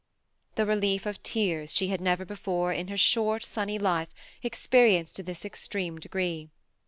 The relief of tears she had never before in her short, sunny life experienced to this extreme degree.